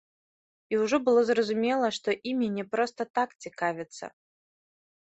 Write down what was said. І ўжо было зразумела, што імі не проста так цікавяцца.